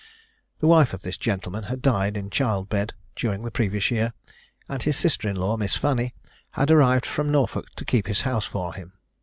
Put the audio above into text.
The wife of this gentleman had died in child bed during the previous year; and his sister in law, Miss Fanny, had arrived from Norfolk to keep his house for him.